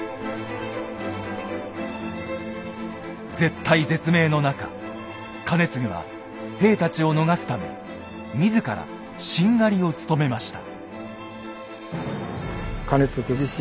絶体絶命の中兼続は兵たちを逃すため自ら殿を務めました。